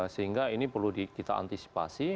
sehingga ini perlu kita antisipasi